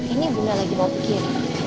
ini bunda lagi bawa suki ya